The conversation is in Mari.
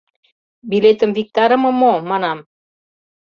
— Билетым виктарыме мо, манам.